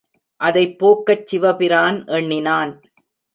அதைப் போக்கச் சிவபிரான் எண்ணினான்.